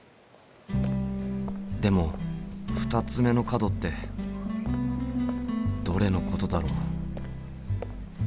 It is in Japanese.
でも２つ目の角ってどれのことだろう？